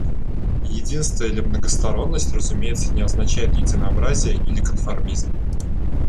Единство или многосторонность, разумеется, не означают единообразие или конформизм.